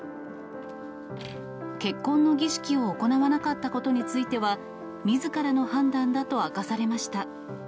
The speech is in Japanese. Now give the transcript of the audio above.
結婚の儀式を行わなかったことについては、みずからの判断だと明かされました。